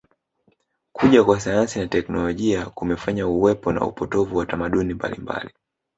Kuja kwa sayansi na teknolojia kumefanya uwepo na upotovu wa tamaduni mbalimbali